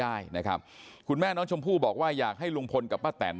นั่งนั่งนั่งนั่งนั่งนั่งนั่งนั่งนั่งนั่งนั่งนั่งนั่งนั่ง